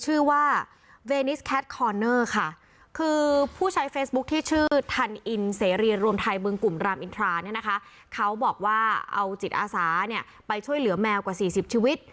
เอาจิตอาสาเนี่ยไปช่วยเหลือแมวกว่า๔๐ชีวิต